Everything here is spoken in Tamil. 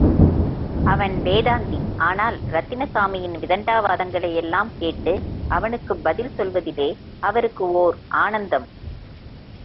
அவன் வேதாந்தி ஆனால் ரத்தினசாமியின் விதண்டாவாதங்களையெல்லாம் கேட்டு, அவனுக்குப் பதில் சொல்லுவதிலே அவருக்கு ஓர் ஆனந்தம்.